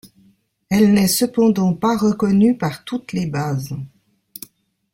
Elle n'est cependant pas reconnue par toutes les bases.